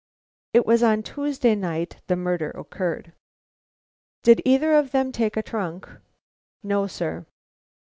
(It was on Tuesday night the murder occurred.) "Did either of them take a trunk?" "No, sir."